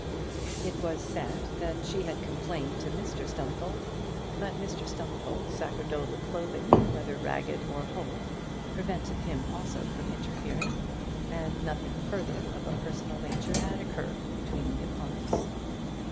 It was said that she had complained to Stumfold; but Mr Stumfold's sacerdotal clothing, whether ragged or whole, prevented him also from interfering, and nothing further of a personal nature had occurred between the opponents.